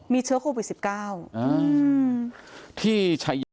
มีเชื้อโควิด๑๙